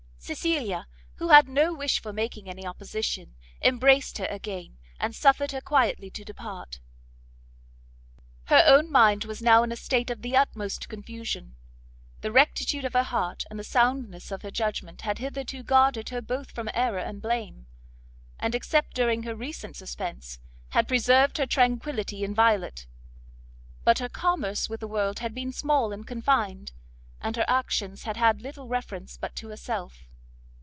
Cecilia, who had no wish for making any opposition, embraced her again, and suffered her quietly to depart. Her own mind was now in a state of the utmost confusion. The rectitude of her heart and the soundness of her judgment had hitherto guarded her both from error and blame, and, except during her recent suspence, had preserved her tranquility inviolate; but her commerce with the world had been small and confined, and her actions had had little reference but to herself.